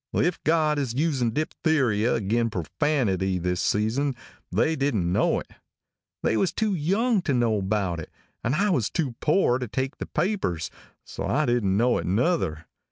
If God is using diphtheria agin perfanity this season they didn't know it. They was too young to know about it and I was too poor to take the papers, so I didn't know it nuther.